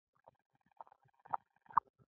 ټول انسانان د لوی خدای قوانینو په وړاندې برابر دي.